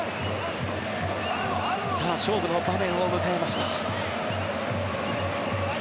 さあ勝負の場面を迎えました。